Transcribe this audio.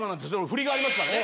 振りがありますからね。